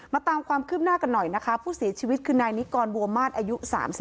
ตามความคืบหน้ากันหน่อยนะคะผู้เสียชีวิตคือนายนิกรบัวมาสอายุ๓๒